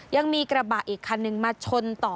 ยังมีกระบะอีกคันหนึ่งมาชนต่อ